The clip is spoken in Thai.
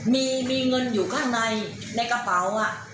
มีเงินอยู่ข้างในในกระเป๋า